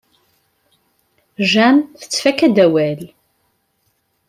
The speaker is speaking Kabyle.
Jane tettfaka-d awal.